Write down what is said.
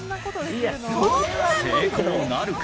成功なるか？